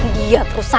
dia terus sayang